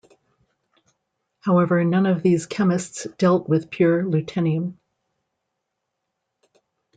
However, none of these chemists dealt with pure lutetium.